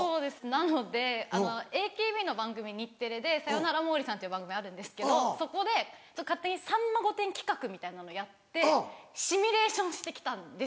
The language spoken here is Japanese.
なのでＡＫＢの番組日テレで『サヨナラ毛利さん』っていう番組あるんですけどそこで勝手に『さんま御殿‼』企画みたいなのやってシミュレーションして来たんですよ。